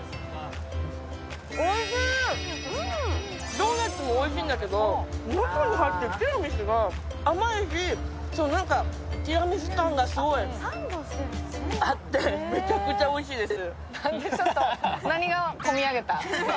ドーナツもおいしいんだけど中に入ってるティラミスが甘いし、ティラミス感がすごいあって、めちゃくちゃおいしいです。